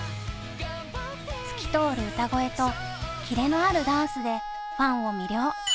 透き通る歌声とキレのあるダンスでファンを魅了。